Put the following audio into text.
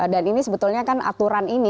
dan ini sebetulnya kan aturan ini